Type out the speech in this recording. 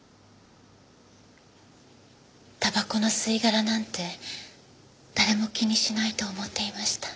たばこの吸い殻なんて誰も気にしないと思っていました。